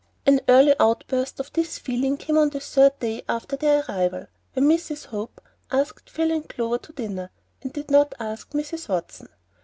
An early outburst of this feeling came on the third day after their arrival, when Mrs. Hope asked Phil and Clover to dinner, and did not ask Mrs. Watson.